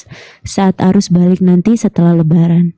apakah ini akan terjadi lagi setelah lebaran